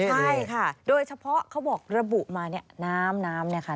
ใช่ค่ะโดยเฉพาะเขาบอกระบุมานี่น้ำนี่ค่ะ